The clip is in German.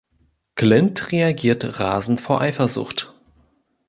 Clint reagiert rasend vor Eifersucht.